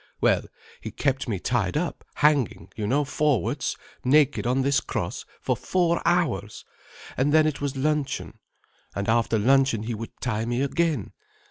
Well, he kept me tied up, hanging you know forwards naked on this cross, for four hours. And then it was luncheon. And after luncheon he would tie me again.